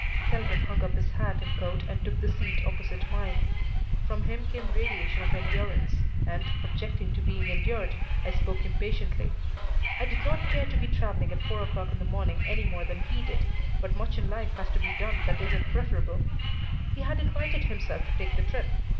Selwyn hung up his hat and coat and took the seat opposite mine. From him came radiation of endurance, and, objecting to being endured, I spoke impatiently. I did not care to be traveling at four o'clock in the morning any more than he did, but much in life has to be done that isn't preferable. He had invited himself to take the trip.